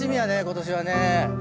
今年はね。